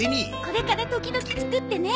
これから時々作ってね。